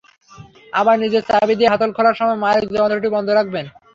আবার নিজের চাবি দিয়ে হাতল খোলার সময় মালিক যন্ত্রটি বন্ধ রাখবেন।